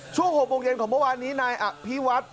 ช่วง๖โบราณเย็นมาที่นี้พี่วัด